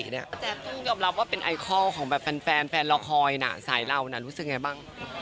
แจ๊คต้องยอมรับว่าเป็นไอคอลของแบบแฟนละครสายเราน่ะรู้สึกยังไงบ้าง